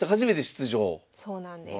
そうなんです。